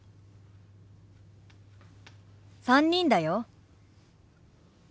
３人だよ。